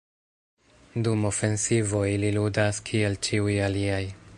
Dum ofensivo ili ludas kiel ĉiuj aliaj.